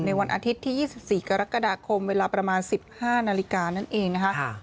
วันอาทิตย์ที่๒๔กรกฎาคมเวลาประมาณ๑๕นาฬิกานั่นเองนะคะ